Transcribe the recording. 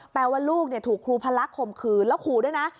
แปลว่าลูกถูกครูพลักษณ์ข่มขืนแล้วขู่ด้วยนะ